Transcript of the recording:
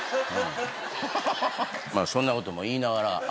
まあそんなことも言いながら。